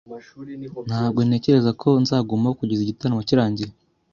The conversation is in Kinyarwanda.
Ntabwo ntekereza ko nzagumaho kugeza igitaramo kirangiye.